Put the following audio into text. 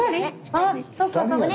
あそうかそうか。